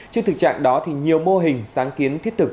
trước thực trạng đó thì nhiều mô hình sáng kiến thiết thực